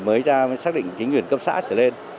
mới ra xác định chính quyền cấp xã trở lên